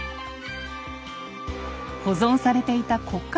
保存されていた骨格